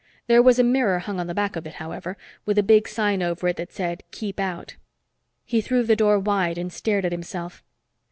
There was a mirror hung on the back of it, however, with a big sign over it that said "Keep Out." He threw the door wide and stared at himself.